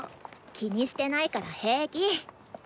気にしてないから平気。